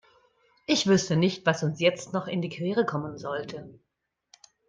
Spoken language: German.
Ich wüsste nicht, was uns jetzt noch in die Quere kommen sollte.